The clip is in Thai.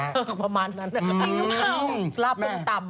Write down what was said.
เออประมาณนั้นจริงหรือเปล่าสลาบพึงตำ